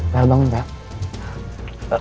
bel bangun bel